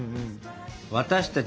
私たち